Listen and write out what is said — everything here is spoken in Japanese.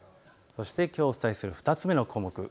きょうお伝えする２つ目の項目。